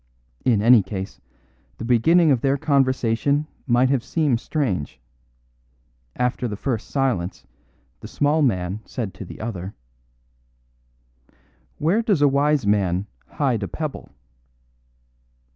In any case, the beginning of their conversation might have seemed strange. After the first silence the small man said to the other: "Where does a wise man hide a pebble?"